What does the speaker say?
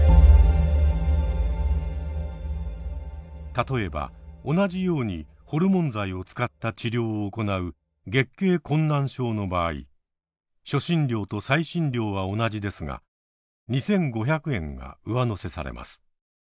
例えば同じようにホルモン剤を使った治療を行う月経困難症の場合初診料と再診料は同じですが２，５００円が上乗せされます。